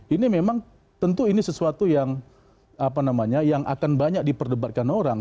ini memang tentu ini sesuatu yang apa namanya yang akan banyak diperdebatkan orang